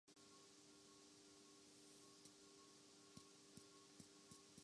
وہ بھی قوم میں اٹھنے والی بحث سے متاثر ہوتے ہیں۔